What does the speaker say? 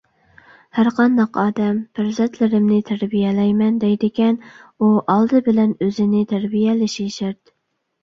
ھەرقانداق ئادەم پەرزەنتلىرىمنى تەربىيەلەيمەن دەيدىكەن، ئۇ ئالدى بىلەن ئۆزىنى تەربىيەلىشى شەرت.